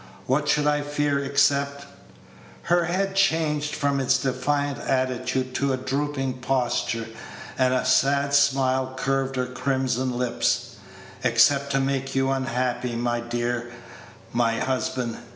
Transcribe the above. What should I fear except " her head changed from its defiant attitude to a drooping posture, and a sad smile curved her crimson lips "except to make you unhappy, my dear, my husband.